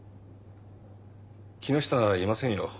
木下ならいませんよ。